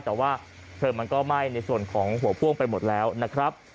แต่ว่าเพลิงมันก็ไหม้ในส่วนของหัวพ่วงไปหมดแล้วนะครับ